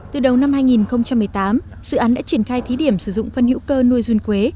từ đầu năm hai nghìn một mươi tám dự án đã triển khai thí điểm sử dụng phân hữu cơ nuôi run quế